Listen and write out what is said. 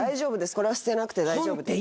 これは捨てなくて大丈夫です。